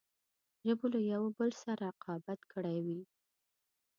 ژبو له یوه بل سره رقابت کړی وي.